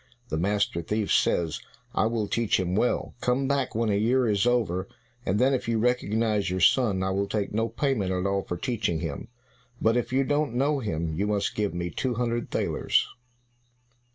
The master thief says, "I will teach him well. Come back when a year is over, and then if you recognize your son, I will take no payment at all for teaching him; but if you don't know him, you must give me two hundred thalers."